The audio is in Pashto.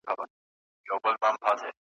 تاله کوم ځایه راوړي دا کیسې دي `